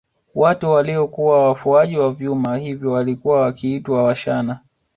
Watu waliokuwa wafuaji wa vyuma hivyo walikuwa wakiitwa Washana